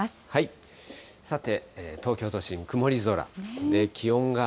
さて、東京都心、曇り空。